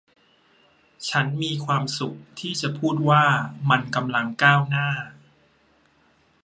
ฉันมีความสุขที่จะพูดว่ามันกำลังก้าวหน้า